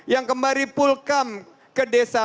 yang kembali pulkam ke desa